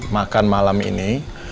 makan malam ini